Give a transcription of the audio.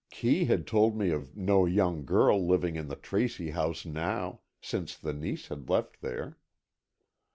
Kee had told me of no young girl living in the Tracy house now, since the niece had left there.